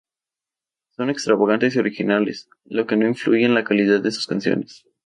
Son extravagantes y originales, lo que no influye en la calidad de sus canciones.